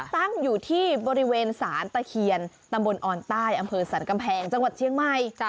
ตั้งอยู่ที่บริเวณศาลตะเคียนตำบลออนใต้อำเภอสรรกำแพงจังหวัดเชียงใหม่